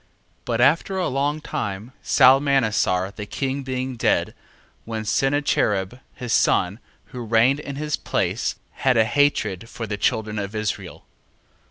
1:18. But after a long time, Salmanasar the king being dead, when Sennacherib his son, who reigned in his place, had a hatred for the children of Israel: 1:19.